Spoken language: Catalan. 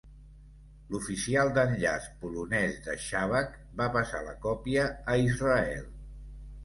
L'oficial d'enllaç polonès de Shabak va passar la còpia a Israel.